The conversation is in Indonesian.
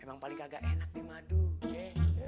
emang paling agak enak di madu